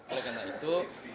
oleh karena itu